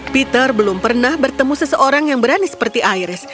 peter belum pernah bertemu seseorang yang berani seperti iris